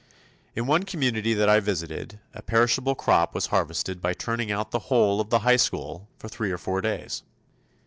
In one community that I visited a perishable crop was harvested by turning out the whole of the high school for three or four days.